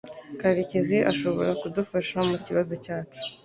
Karekezi ashobora kudufasha mukibazo cyacu.